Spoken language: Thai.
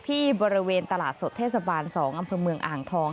ที่บริเวณตลาดสดเทศบาล๒อำเภอเมืองอ่างทอง